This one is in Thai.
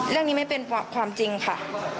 เรื่องนี้ไม่เป็นความจริงค่ะ